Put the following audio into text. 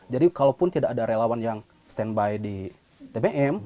jadi kalaupun tidak ada relawan yang stand by di tbm